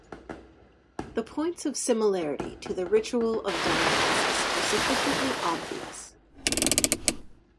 The points of similarity to the ritual of Dionysus are sufficiently obvious.